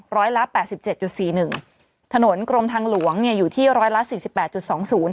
ร้อยละแปดสิบเจ็ดจุดสี่หนึ่งถนนกรมทางหลวงเนี่ยอยู่ที่ร้อยละสี่สิบแปดจุดสองศูนย์